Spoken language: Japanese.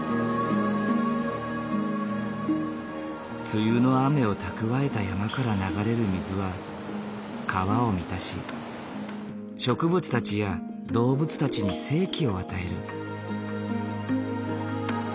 梅雨の雨を蓄えた山から流れる水は川を満たし植物たちや動物たちに生気を与える。